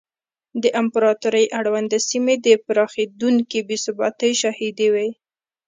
د امپراتورۍ اړونده سیمې د پراخېدونکې بې ثباتۍ شاهدې وې.